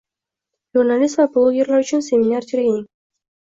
Jurnalist va blogerlar uchun seminar-treningng